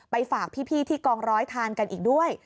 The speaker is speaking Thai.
ฝากพี่ที่กองร้อยทานกันอีกด้วย